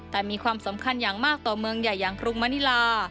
แต่มีความสำคัญอย่างมากต่อเมืองใหญ่อย่างกรุงมณิลา